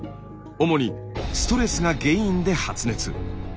主にストレスが原因で発熱。